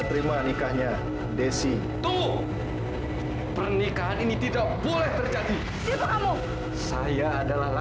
terima nikahnya desi tunggu pernikahan ini tidak boleh terjadi cipu kamu saya adalah laki laki